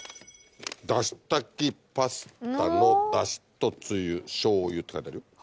「だし炊きパスタのだしとつゆしょうゆ」って書いてあるよ。